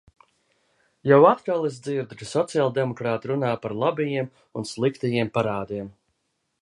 Jau atkal es dzirdu, ka sociāldemokrāti runā par labajiem un sliktajiem parādiem.